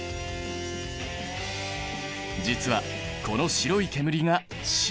実はこの白い煙が塩。